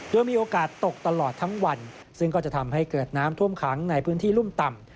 โดยมีโอกาสตกตลอดทั้งวันซึ่งก็จะทำให้เกิดน้ำท่วมขังในพื้นที่รุ่มต่ำ